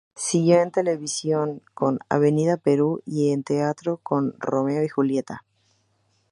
Siguió en televisión con "Avenida Perú" y en teatro con "Romeo y Julieta".